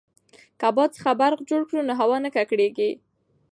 که باد څخه برق جوړ کړو نو هوا نه ککړیږي.